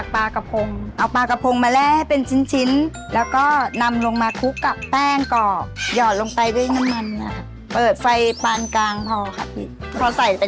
พอใส่ไปแล้วให้เปิดไฟแรงเข้าไว้